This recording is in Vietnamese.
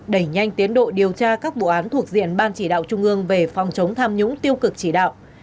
đẩy nhanh tiến độ điều tra các vụ án thuộc diện ban chỉ đạo trung ương về phòng chống tham nhũng tiêu cực chỉ đạo